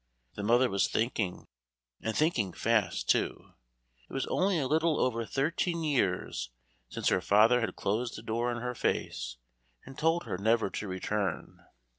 The mother was thinking, and thinking fast, too. It was only a little over thirteen years since her father had closed the door in her face and told her never to return.